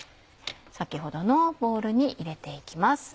先ほどのボウルに入れて行きます。